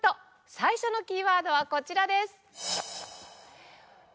最初のキーワードはこちらです。